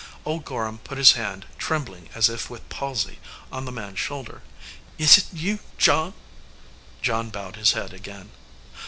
Old Gorham put his hand, trembling as if with palsy, on the man s shoulder. "Is it you, John?" John bowed his head again.